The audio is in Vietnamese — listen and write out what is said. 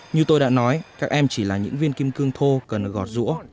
như tôi đã nói các em chỉ là những viên kim cương thô cần gọt rũa